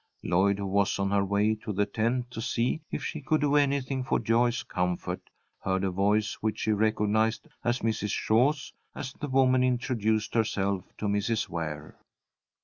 Lloyd, who was on her way to the tent to see if she could do anything for Joyce's comfort, heard a voice which she recognized as Mrs. Shaw's, as the woman introduced herself to Mrs. Ware.